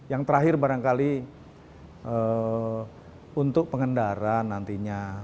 yang terakhir barangkali untuk pengendara nantinya